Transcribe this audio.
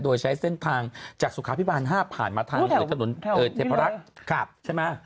โดยใช้เส้นทางจากสุขาพิบาล๕ผ่านมาทางเทพลักษณ์